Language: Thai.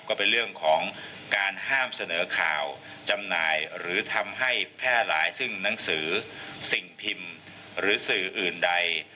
ก็เป็นเรื่องของการห้ามเสนอข่าวจำหน่ายหรือทำให้แพร่หลายซึ่งหนังสือสิ่งพิมพ์หรือสื่ออื่นใด